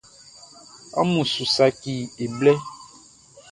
Amun su saci e blɛ.